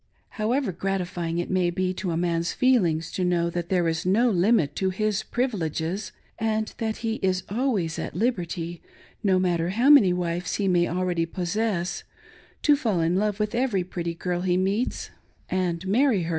However gratifying it may be to a man's feelings to know that there is no limit to his privileges,.and that he is always at liberty — no matter how many wives he may already possess — to fall in love with every pretty girl he meets, and marry her 453 THAT DAY.